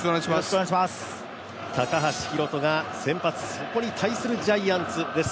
高橋宏斗が先発、そこに対するジャイアンツです。